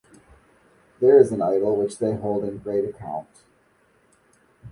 There is an idol which they hold in great account.